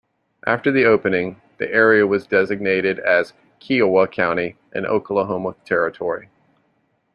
After the opening, the area was designated as Kiowa County in Oklahoma Territory.